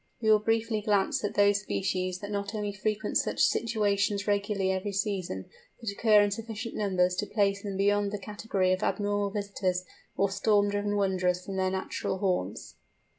We will briefly glance at those species that not only frequent such situations regularly every season, but occur in sufficient numbers to place them beyond the category of abnormal visitors, or storm driven wanderers from their natural haunts.